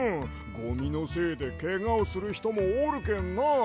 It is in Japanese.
ゴミのせいでけがをするひともおるけんな。